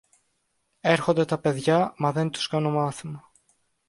Έρχονται τα παιδιά, μα δεν τους κάνω μάθημα.